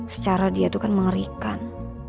secara dia itu kan mengerikan